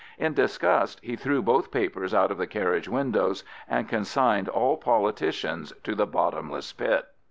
In disgust he threw both papers out of the carriage windows, and consigned all politicians to the bottomless pit.